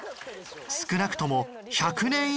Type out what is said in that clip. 少なくとも１００年